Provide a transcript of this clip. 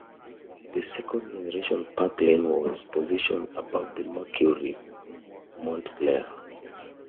The second-generation Park Lane was positioned above the Mercury Montclair.